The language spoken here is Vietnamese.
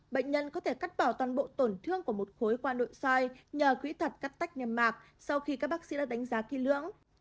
bệnh nhân có thể cắt bỏ toàn bộ tổn thương của một khối qua nội soi nhờ khí thật cắt tách nhầm mạc sau khi các bác sĩ đã đánh giá khi lưỡng